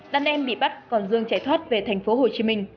đàn em bị bắt còn dương chạy thoát về thành phố hồ chí minh